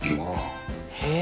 へえ！